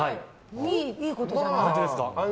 いいことじゃない？